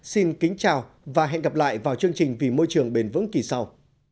xin kính chào và hẹn gặp lại vào chương trình vì môi trường bền vững kỳ sau